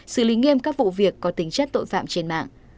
xử lý nghiêm các vụ việc có tính chất tội phạm trên mạng